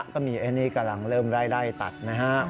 ก็มีอันนี้กำลังเริ่มไล่ตัดนะฮะ